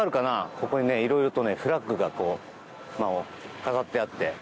ここにいろいろとフラッグが飾ってあって。